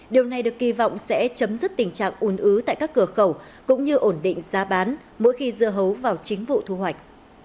điều này được kỳ vọng sẽ chấm dứt tình trạng ùn ứ tại các cửa khẩu cũng như ổn định giá bán mỗi khi dưa hấu vào chính vụ thu hoạch